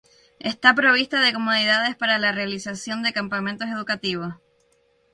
Está provista de comodidades para la realización de campamentos educativos.